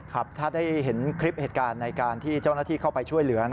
ครับถ้าได้เห็นคลิปเหตุการณ์ในการที่เจ้าหน้าที่เข้าไปช่วยเหลือ